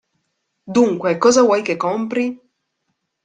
Dunque, cosa vuoi che compri?